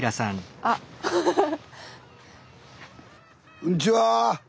こんにちは。